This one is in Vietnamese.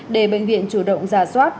để bệnh viện chủ động giả soát